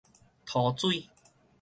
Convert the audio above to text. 塗水